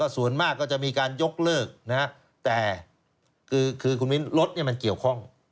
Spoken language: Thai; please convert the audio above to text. ส่วนมากก็จะมีการยกเลิกแต่คือคุณมิ้นรถมันเกี่ยวข้อง